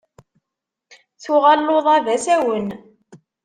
Tuɣal luḍa d asawen.